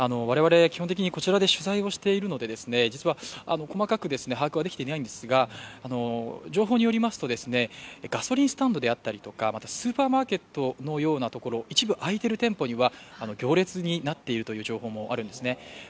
我々基本的にこちらで取材をしているので実は細かく把握はできていないんですが、情報によりますとガソリンスタンドであったりとかスーパーマーケットのようなところ一部開いてる店舗には、行列になっているという情報もあるんですね。